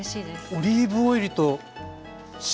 オリーブオイルと塩。